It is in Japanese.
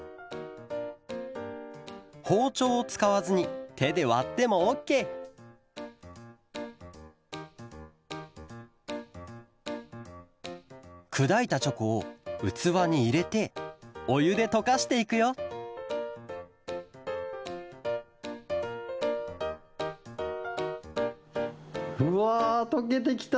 ほうちょうをつかわずにてでわってもオッケーくだいたチョコをうつわにいれておゆでとかしていくようわとけてきた！